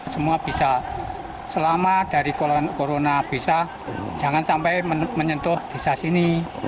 semua bisa selamat dari corona bisa jangan sampai menyentuh di sas ini